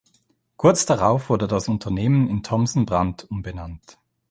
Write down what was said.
Kurz darauf wurde das Unternehmen in Thomson-Brandt umbenannt.